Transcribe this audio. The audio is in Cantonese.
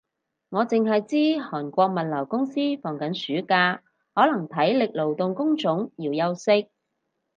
我剩係知韓國物流公司放緊暑假，可能體力勞動工種要休息